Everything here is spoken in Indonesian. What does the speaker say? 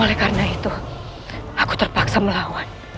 oleh karena itu aku terpaksa melawan